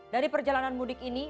dari perjalanan mudik ini